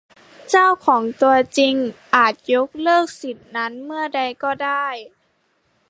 เจ้าของตัวจริงอาจยกเลิกสิทธิ์นั้นเมื่อใดก็ได้